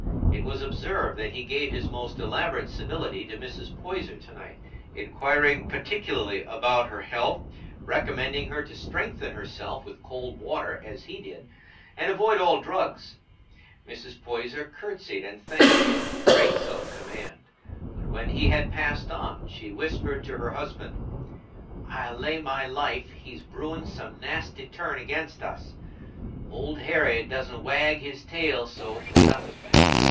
It was observed that he gave his most elaborate civility to Mrs. Poyser to night, inquiring particularly about her health, recommending her to strengthen herself with cold water as he did, and avoid all drugs. Mrs. Poyser curtsied and thanked him with great self command, but when he had passed on, she whispered to her husband, "I'll lay my life he's brewin' some nasty turn against us. Old Harry doesna wag his tail so for nothin'."